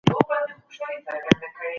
که وګړي ډېر سي سړي سر ګټه کمیږي.